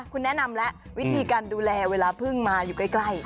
คุณแนะนำแล้ววิธีการดูแลเวลาพึ่งมาอยู่ใกล้